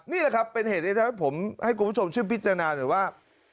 นี่แหละครับเป็นเหตุที่ทำให้ผมให้คุณผู้ชมช่วยพิจารณาหน่อยว่า